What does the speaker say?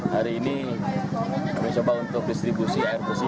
hari ini kami coba untuk distribusi air bersih